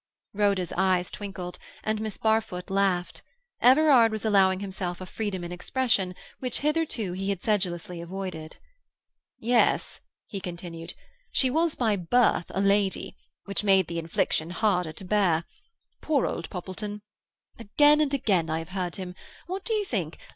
Rhoda's eyes twinkled, and Miss Barfoot laughed. Everard was allowing himself a freedom in expression which hitherto he had sedulously avoided. "Yes," he continued, "she was by birth a lady—which made the infliction harder to bear. Poor old Poppleton! Again and again I have heard him—what do you think?